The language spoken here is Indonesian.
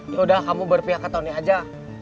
yaudah kamu berpihak ke tony aja